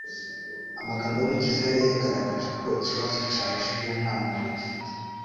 Amagambo y'Umukiza yari yagaragaje ko ikibazo cyabajijwe nta mumaro gifite,